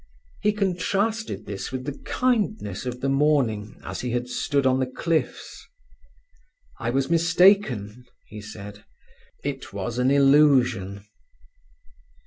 He contrasted this with the kindness of the morning as he had stood on the cliffs. "I was mistaken," he said. "It was an illusion."